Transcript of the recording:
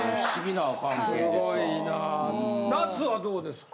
なつはどうですか？